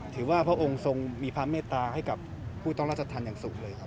พระองค์ทรงมีพระเมตตาให้กับผู้ต้องราชธรรมอย่างสูงเลยครับ